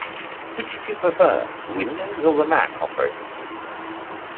Which do you prefer: the Windows or the Mac operating system?